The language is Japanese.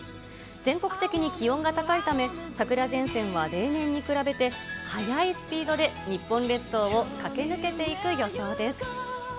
全国的に気温が高いため、桜前線は例年に比べて速いスピードで日本列島を駆け抜けていく予想です。